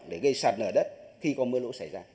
vì sạt lở đất khi có mưa lũ xảy ra